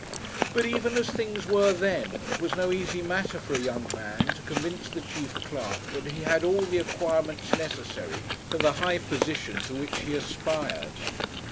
But, even as things were then, it was no easy matter for a young man to convince the chief clerk that he had all the acquirements necessary for the high position to which he aspired.